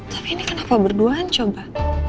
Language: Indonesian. tapi ini kenapa berduaan coba